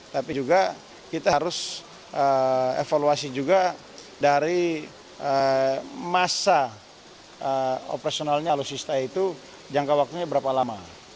tapi juga kita harus evaluasi juga dari masa operasionalnya alutsista itu jangka waktunya berapa lama